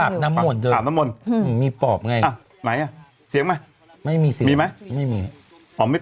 อาบน้ำม่วนอาบน้ำม่วนมีปอบไงอ่ะไหนอ่ะเสียงมั้ยไม่มีเสียงมีมั้ยไม่มี